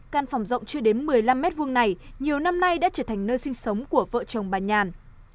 căn phòng rộng chưa đến một mươi năm m hai này nhiều năm nay đã trở thành nơi sinh sống của vợ chồng bà nhàn